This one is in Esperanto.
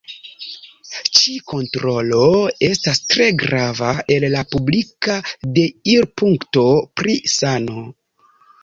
Ĉi-kontrolo estas tre grava el la publika deirpunkto pri sano.